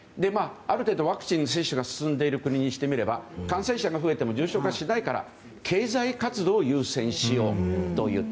ある程度、ワクチンの接種が進んでいる国にしてみれば感染者が増えても重症化しないから経済活動を優先しようという。